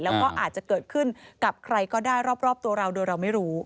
แล้วก็อาจจะเกิดขึ้นกับใครก็ได้รอบตัวเราโดยเราไม่รู้